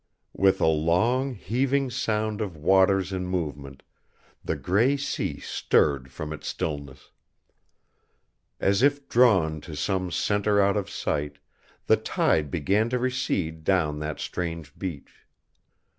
With a long heaving sound of waters in movement, the gray sea stirred from its stillness. As if drawn to some center out of sight, the tide began to recede down that strange beach.